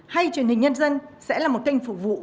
hay truyền hình nhân dân sẽ là một kênh phục vụ